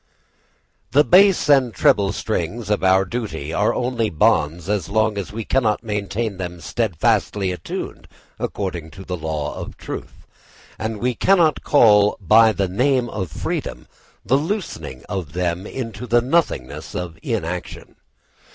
The bass and treble strings of our duty are only bonds so long as we cannot maintain them steadfastly attuned according to the law of truth; and we cannot call by the name of freedom the loosening of them into the nothingness of inaction.